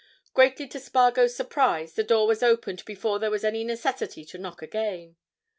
Greatly to Spargo's surprise, the door was opened before there was any necessity to knock again.